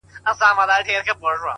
• مګر رود بله چاره نه سي میندلای ,